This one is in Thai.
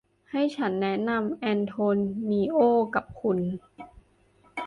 ให้ฉันแนะนำแอนโทนีโอ้กับคุณ